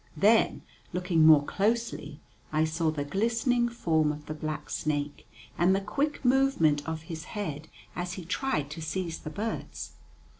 Then, looking more closely, I saw the glistening form of the black snake, and the quick movement of his head as he tried to seize the birds.